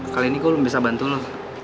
kali ini gue bisa bantu lo